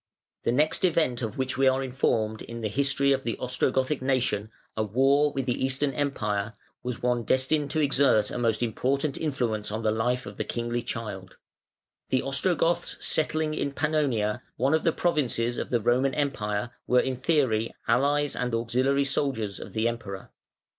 ] The next event of which we are informed in the history of the Ostrogothic nation, a war with the Eastern Empire, was one destined to exert a most important influence on the life of the kingly child, The Ostrogoths settling in Pannonia, one of the provinces of the Roman Empire, were in theory allies and auxiliary soldiers of the Emperor.